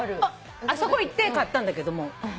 あそこ行って買ったんだけども。